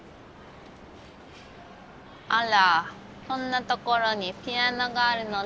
あらこんなところにピアノがあるのね。